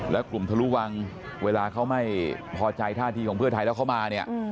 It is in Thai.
แล้วกลุ่มทะลุวังเวลาเขาไม่พอใจท่าทีของเพื่อไทยแล้วเขามาเนี่ย